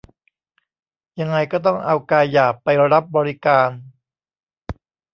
ยังไงก็ต้องเอากายหยาบไปรับบริการ